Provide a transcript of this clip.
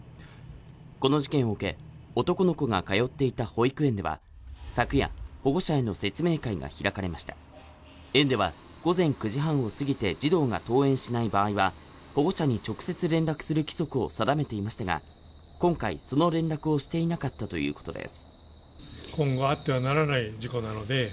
この事件を受け男の子が通っていた保育園では昨夜保護者への説明会が開かれました園では午前９時半を過ぎて児童が登園しない場合は保護者に直接連絡する規則を定めていましたが今回その連絡をしていなかったということです